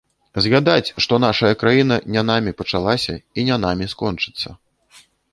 Згадаць, што нашая краіна не намі пачалася і не намі скончыцца.